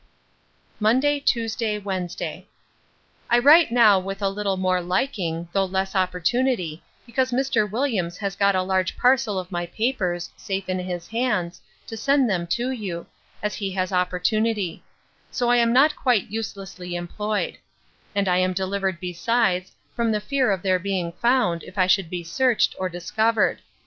Monday, Tuesday, Wednesday. I write now with a little more liking, though less opportunity, because Mr. Williams has got a large parcel of my papers, safe in his hands, to send them to you, as he has opportunity; so I am not quite uselessly employed: and I am delivered besides, from the fear of their being found, if I should be searched, or discovered.